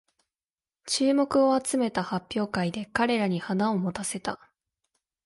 注目を集めた発表会で彼らに花を持たせた